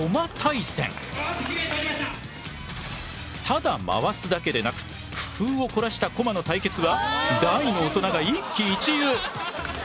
ただ回すだけでなく工夫を凝らしたコマの対決は大の大人が一喜一憂。